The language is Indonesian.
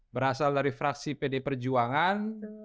berasal dari fraksi pd perjuangan